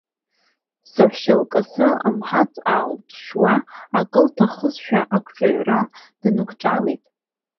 Саҳәшьа лкасы амҳацә аалыҿшьуа, акы лҭахызшәа акҿаҩра дынкҿалеит.